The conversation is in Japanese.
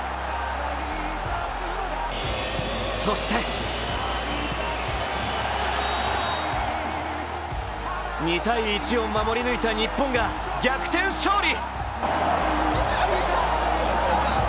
そして２−１を守り抜いた日本が逆転勝利！